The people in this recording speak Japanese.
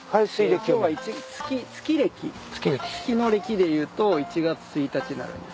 今日は月暦月の暦でいうと１月１日になるんです。